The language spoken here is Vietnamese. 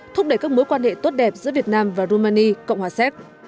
thúc đẩy các mối quan hệ tốt đẹp giữa việt nam và rumani cộng hòa séc